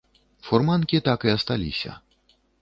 Фурманкі так і асталіся.